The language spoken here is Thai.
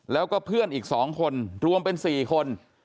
แล้วก็เพื่อนอีก๒คนรวมเป็น๔คน